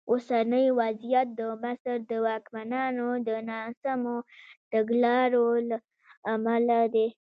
اوسنی وضعیت د مصر د واکمنانو د ناسمو تګلارو له امله دی.